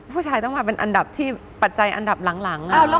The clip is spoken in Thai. ผู้ชายต้องมาเป็นอันดับที่ปัจจัยอันดับหลัง